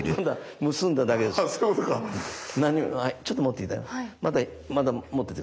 ちょっと持って頂いて。